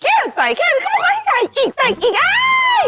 เคียงใส่แล้วเขาไปใส่อีกเอ๊ย